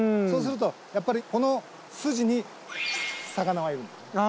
そうするとやっぱりこの筋に魚はいる。